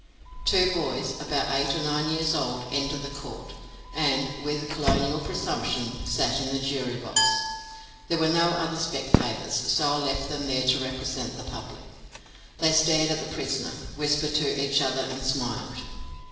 Two boys about eight or nine years old entered the court, and, with colonial presumption, sat in the jury box. There were no other spectators, so I left them there to represent the public. They stared at the prisoner, whispered to each other, and smiled.